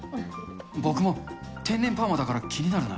僕も天然パーマだから気になるな。